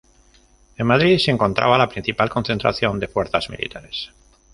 En Madrid se encontraba la principal concentración de fuerzas militares.